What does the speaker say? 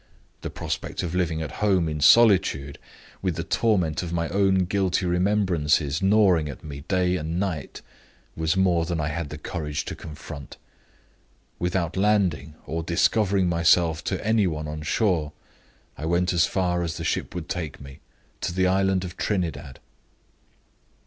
The prospect of living at home in solitude, with the torment of my own guilty remembrances gnawing at me day and night, was more than I had the courage to confront. Without landing, or discovering myself to any one on shore, I went on as far as the ship would take me to the island of Trinidad.